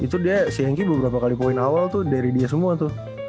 itu dia si hengki beberapa kali poin awal tuh dari dia semua tuh